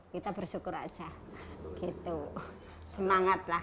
kita bersyukur aja gitu semangat lah